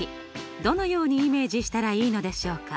どのようにイメージしたらいいのでしょうか？